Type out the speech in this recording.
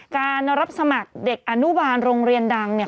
การรับสมัครเด็กอนุบาลโรงเรียนดังเนี่ย